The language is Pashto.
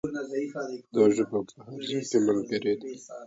دا ژبه مو په هر ځای کې ملګرې ده.